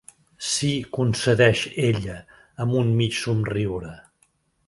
Sí —concedeix ella, amb un mig somriure.